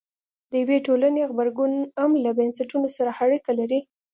د یوې ټولنې غبرګون هم له بنسټونو سره اړیکه لري.